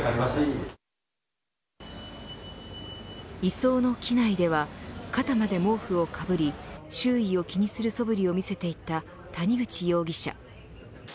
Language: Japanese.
移送の機内では肩まで毛布をかぶり周囲を気にするそぶりを見せていた谷口容疑者。